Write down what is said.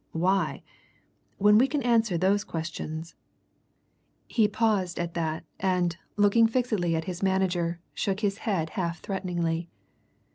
Why? When we can answer those questions " He paused at that, and, looking fixedly at his manager, shook his head half threateningly.